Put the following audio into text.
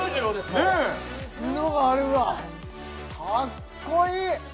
もう角があるわかっこいい！